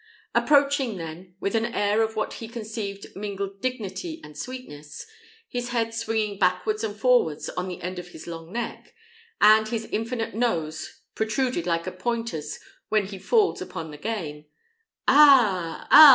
Approaching, then, with an air of what he conceived mingled dignity and sweetness, his head swinging backwards and forwards on the end of his long neck, and his infinite nose protruded like a pointer's when he falls upon the game "Ah, ah!